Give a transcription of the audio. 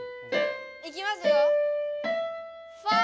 いきますよファ！